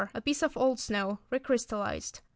A piece of old snow re crystallised.